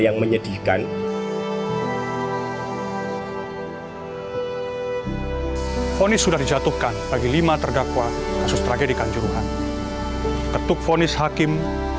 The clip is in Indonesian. yang menyedihkan fonis sudah dijatuhkan bagi lima terdakwa kasus tragedi kanjuruhan ketuk vonis hakim